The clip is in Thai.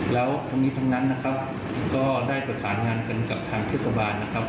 แล้วทั้งนี้ทั้งนั้นนะครับก็ได้ประสานงานกันกับทางเทศบาลนะครับ